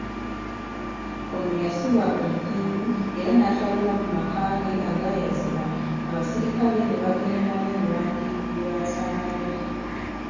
Ono yassibwa ku mpingu era n'atwalibwa mu maka ge agaayazibwa, abasirikale ne bagenda n'ebiwandiiko bye baasangamu.